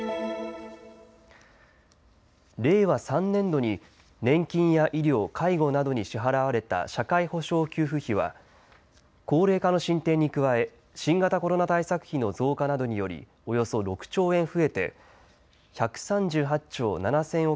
令和３年度に年金や医療、介護などに支払われた社会保障給付費は高齢化の進展に加え、新型コロナ対策費の増加などによりおよそ６兆円増えて１３８兆７０００億